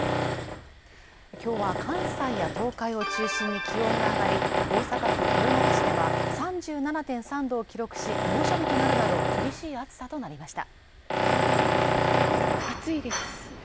今日は関西や東海を中心に気温が上がり、大阪府豊中市では３７．３度を記録し猛暑日となるなど厳しい暑さとなりました。